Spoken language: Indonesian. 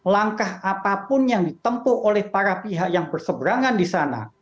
langkah apapun yang ditempuh oleh para pihak yang berseberangan di sana